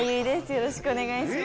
よろしくお願いします。